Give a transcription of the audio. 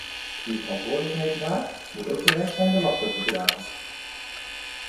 Wie verantwoordelijkheid draagt, moet ook bereid zijn de lasten te dragen.